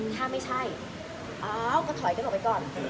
ถ้าไม่ใช่อ้าวก็ถอยกันออกไปก่อน